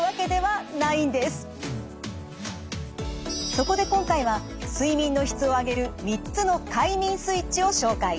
そこで今回は睡眠の質を上げる３つの快眠スイッチを紹介。